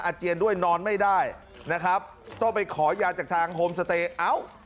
เจียนด้วยนอนไม่ได้นะครับต้องไปขอยาจากทางโฮมสเตย์เอ้า